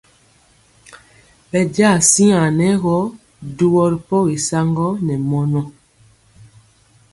Bɛnja siaŋ nɛ gɔ duwɔ ri pɔgi saŋgɔ ne mɔnɔ.